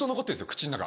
口の中。